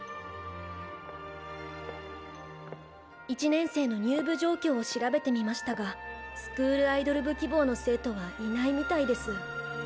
１年生の入部状況を調べてみましたがスクールアイドル部希望の生徒はいないみたいです。